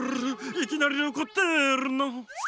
いきなりおこってるの！